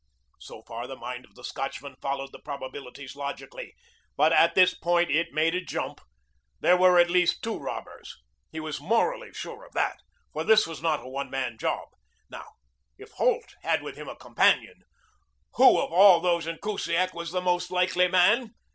So far the mind of the Scotchman followed the probabilities logically, but at this point it made a jump. There were at least two robbers. He was morally sure of that, for this was not a one man job. Now, if Holt had with him a companion, who of all those in Kusiak was the most likely man?